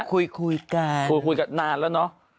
คุยกันคุยกันนานแล้วเนอะ